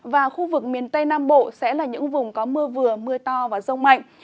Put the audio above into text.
và khu vực miền tây nam bộ sẽ là những vùng có mưa vừa mưa to và rông mạnh